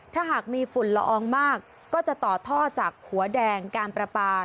ถ้าหากมีฝุ่นละอองมากก็จะต่อท่อจากหัวแดงการประปา